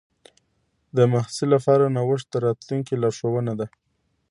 د محصل لپاره نوښت د راتلونکي لارښوونه ده.